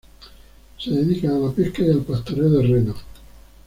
Se dedican a la pesca y al pastoreo de renos.